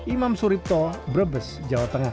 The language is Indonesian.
imam suripto brebes jawa tengah